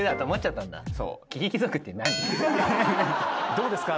どうですか？